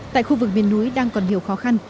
tại khu vực miền núi đang còn nhiều khó khăn